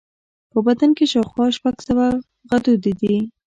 په بدن کې شاوخوا شپږ سوه غدودي دي.